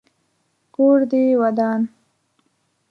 کور دي ودان .